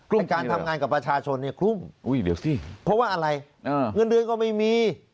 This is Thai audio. แต่การทำงานกับประชาชนเนี่ยคุ้มเพราะว่าอะไรเงินเดือนก็ไม่มี